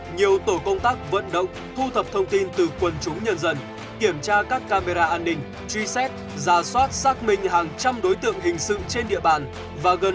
nhiều tổ công tác vận động thu thập thông tin từ quần chúng nhân dân kiểm tra các camera an ninh truy xét giả soát xác minh hàng trăm đối tượng hình sự trên địa bàn và gần bảy nhân khẩu vắng mặt của địa phương